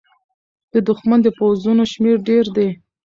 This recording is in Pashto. د دښمن د پوځونو شمېر ډېر دی.